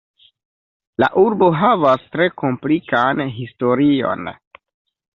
La urbo havas tre komplikan historion.